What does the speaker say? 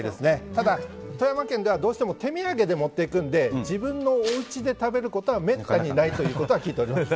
ただ、富山県ではどうしても手土産で持っていくので自分のおうちで食べることはめったにないということは聞いております。